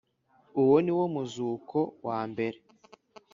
Uwo ni wo muzuko wa mbere.